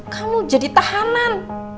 kamu jadi tahanan